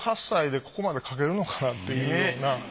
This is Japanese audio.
１８歳でここまで描けるのかなっていうような。